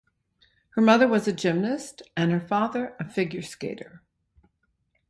Her mother was a gymnast and her father a figure skater.